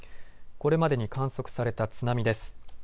これまでに観測された津波です。